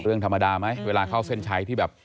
เรื่องธรรมดาไหมเวลาเข้าเส้นชัยที่แบบ